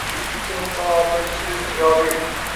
Ikki ming o'n oltinchi yilning yozi edi...